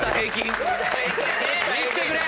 見せてくれ！